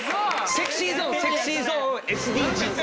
ＳｅｘｙＺｏｎｅＳｅｘｙＺｏｎｅＳＤＧｓ。